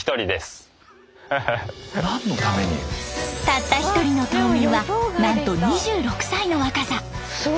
たった１人の島民はなんと２６歳の若さ。